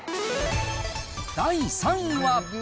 第３位は。